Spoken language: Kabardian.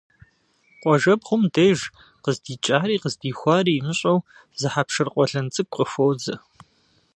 Къуажэбгъум деж, къыздикӏари къыздихуари имыщӏэу зы хьэпшыр къуэлэн цӏыкӏу къыхуозэ.